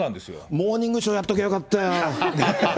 モーニングショーやっときゃよかったよ。